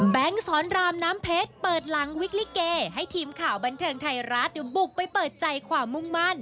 สอนรามน้ำเพชรเปิดหลังวิกลิเกให้ทีมข่าวบันเทิงไทยรัฐบุกไปเปิดใจความมุ่งมั่น